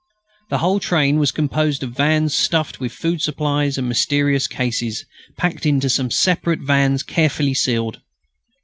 The whole train was composed of vans stuffed with food supplies and mysterious cases, packed into some separate vans carefully sealed.